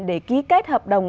để ký kết hợp đồng